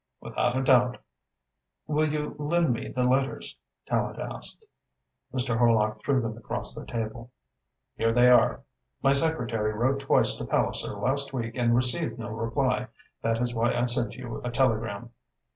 "Without a doubt." "Will you lend me the letters?" Tallente asked. Mr. Horlock threw them across the table. "Here they are. My secretary wrote twice to Palliser last week and received no reply. That is why I sent you a telegram."